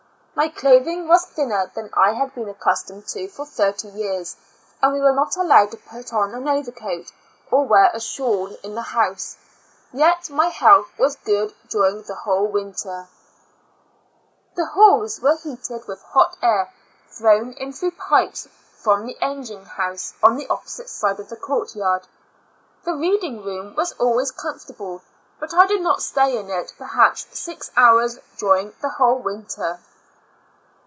My clothing was thinner than I had been accustomed to for thirty years, and we were not allowed to put on an overcoat, or wear a shawl in the house, yet my health was good during the whole winter. IJV A L UNA TIC A SYL UM. ^ 7 9 The halls were heated with hot air throwu. in through pipes from the engine house on the opposite side of the court yard. The reading room was always com fortable, but I did not stay in it perhaps six hours during the whole winter.